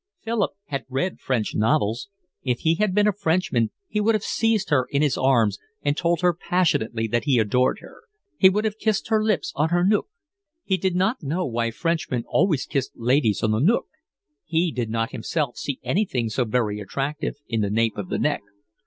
Philip had read French novels. If he had been a Frenchman he would have seized her in his arms and told her passionately that he adored her; he would have pressed his lips on her nuque. He did not know why Frenchmen always kissed ladies on the nuque. He did not himself see anything so very attractive in the nape of the neck.